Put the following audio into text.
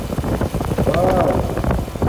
بآݺی